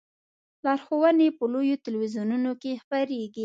لارښوونې په لویو تلویزیونونو کې خپریږي.